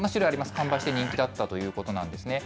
販売して人気だったということなんですね。